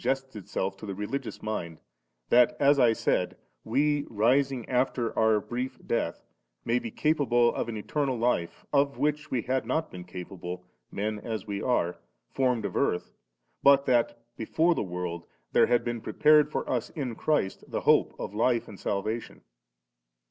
ally su^ests itself to the religious mind, that, as I saidy we^ rising after our brief death^ may be capable of an eternal lif<^ of which we had not been capable', men as we are, formed of earth, but that 'before the world* there had been prepared for us in Christ the hope of life and salvation.